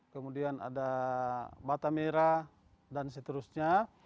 kemudian ada bata merah dan seterusnya